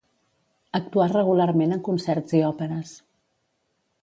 Actuà regularment en concerts i òperes.